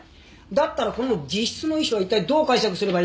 だったらこの自筆の遺書は一体どう解釈すればいいんだ？